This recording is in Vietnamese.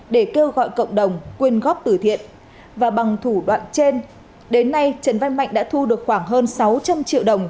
để kêu gọi cộng đồng quyên góp tử thiện và bằng thủ đoạn trên đến nay trần văn mạnh đã thu được khoảng hơn sáu trăm linh triệu đồng